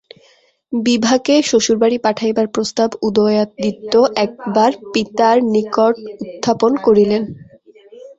বিভাকে শ্বশুরবাড়ি পাঠাইবার প্রস্তাব উদয়াদিত্য একবার পিতার নিকট উত্থাপন করিলেন।